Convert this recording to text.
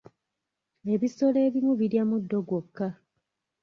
Ebisolo ebimu birya muddo gwokka